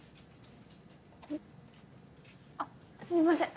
ん？あっすみません